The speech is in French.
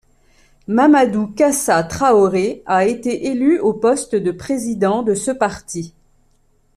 Mamadou Kassa Traoré a été élu au poste de président de ce parti.